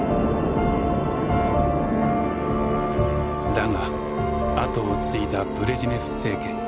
だが後を継いだブレジネフ政権。